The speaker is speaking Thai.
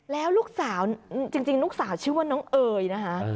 แล้วลูกสาวจริงลูกสาวชื่อว่าน้องเอ๋ยนะคะ